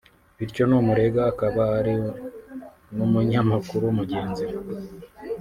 bityo n’umurega akaba ari n’umunyamakuru mugenzi we